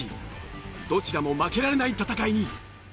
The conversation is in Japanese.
どちらも負けられない戦いに。